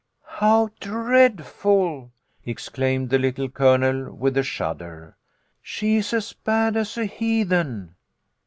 "" How dreadful !" exclaimed the Little Colonel, with a shudder. " She is as bad as a heathen."